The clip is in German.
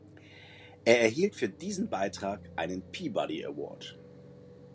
Er erhielt für diesen Beitrag einen Peabody Award.